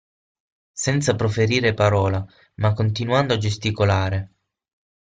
Senza proferire parola ma continuando a gesticolare.